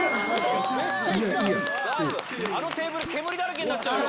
あのテーブル、煙だらけになっちゃうよ。